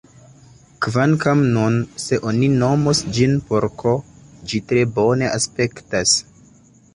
Kvankam nun, se oni nomos ĝin porko, ĝi tre bone aspektas.